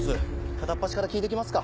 片っ端から聞いて行きますか？